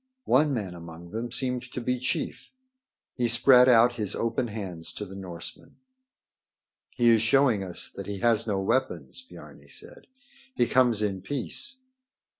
One man among them seemed to be chief. He spread out his open hands to the Norsemen. "He is showing us that he has no weapons," Biarni said. "He comes in peace."